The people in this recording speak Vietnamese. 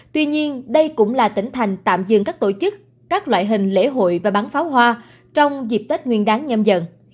tuy nhiên đây cũng là tỉnh thành tạm dừng các tổ chức các loại hình lễ hội và bán pháo hoa trong dịp tết nguyên đáng nhâm dần